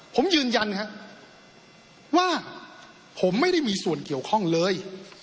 ผมยืนยันครับว่าผมไม่ได้มีส่วนเกี่ยวข้องเลย